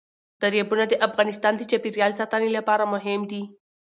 دریابونه د افغانستان د چاپیریال ساتنې لپاره مهم دي.